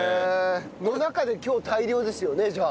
の中で今日大漁ですよねじゃあ。